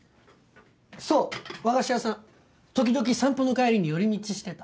そう和菓子屋さん時々散歩の帰りに寄り道してた。